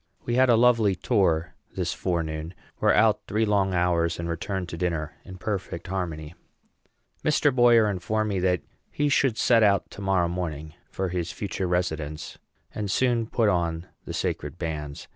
We had a lovely tour this forenoon, were out three long hours, and returned to dinner in perfect harmony. Mr. Boyer informed me that he should set out to morrow morning for his future residence, and soon put on the sacred bands.